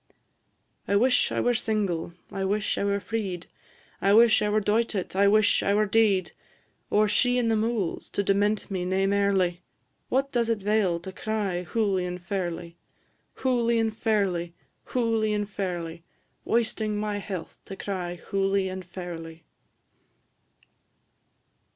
I wish I were single, I wish I were freed; I wish I were doited, I wish I were dead; Or she in the mouls, to dement me nae mairly. What does it 'vail to cry, Hooly and fairly! Hooly and fairly, hooly and fairly; Wasting my health to cry, Hooly and fairly.